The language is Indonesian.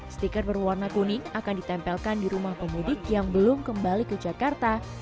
stiker berwarna kuning akan ditempelkan di rumah pemudik yang belum kembali ke jakarta